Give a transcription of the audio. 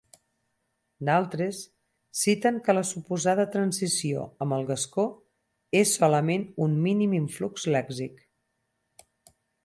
D'altres, citen que la suposada transició amb el gascó és solament un mínim influx lèxic.